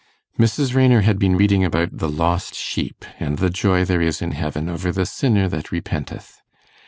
Mrs. Raynor had been reading about the lost sheep, and the joy there is in heaven over the sinner that repenteth.